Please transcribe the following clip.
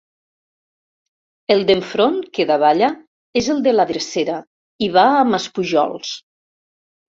El d'enfront, que davalla, és el de la Drecera, i va a Maspujols.